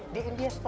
di india seperti itu